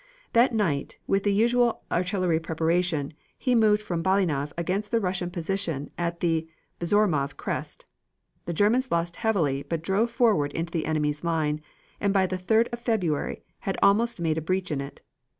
That night, with the usual artillery preparation, he moved from Balinov against the Russian position at the Borzymov Crest. The Germans lost heavily but drove forward into the enemy's line, and by the 3d of February had almost made a breach in it.